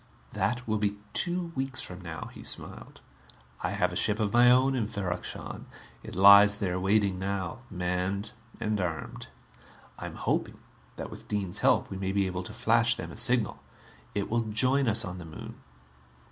"That will be two weeks from now," he smiled. "I have a ship of my own in Ferrok Shahn. It lies there waiting now, manned and armed. I am hoping that, with Dean's help, we may be able to flash them a signal. It will join us on the Moon.